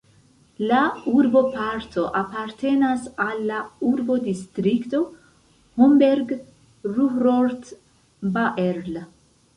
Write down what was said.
La urboparto apartenas al la urbodistrikto Homberg-Ruhrort-Baerl.